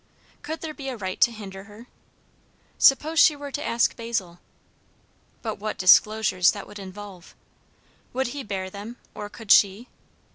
Could there be a right to hinder her? Suppose she were to ask Basil? But what disclosures that would involve! Would he bear them, or could she?